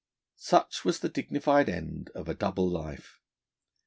Such was the dignified end of a 'double life.'